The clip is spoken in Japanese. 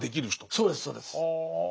そうですそうです。